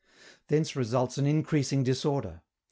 Thence results an increasing disorder.